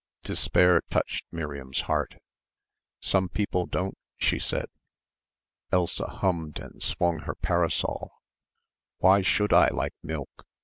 Despair touched Miriam's heart. "Some people don't," she said. Elsa hummed and swung her parasol. "Why should I like milk?"